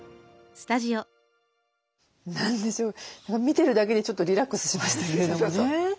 見てるだけでちょっとリラックスしましたけれどもね。